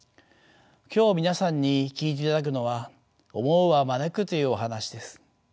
今日皆さんに聞いていただくのは「思うは招く」というお話です。